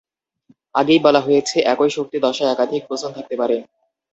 আগেই বলা হয়েছে, একই শক্তি দশায় একাধিক বোসন থাকতে পারে।